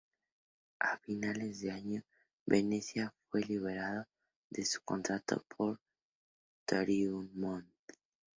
A finales de año, Venezia fue liberado de su contrato por Toryumon.